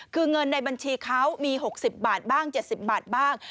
คือเงินในบัญชีเขามี๖๐บาทบ้าง๗๐บาทบ้าง